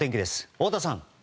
太田さん。